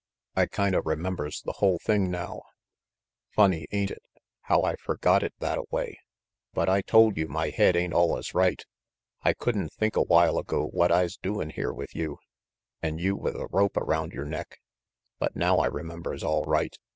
I kinda remembers the hull thing now. Funny, ain't it, how I f ergot it thattaway; but I told you my head 94 RANGY PETE ain't allus right. I could'n think a while ago I's doin' here with you, an' you with a rope around yer neck, but now I remembers alright.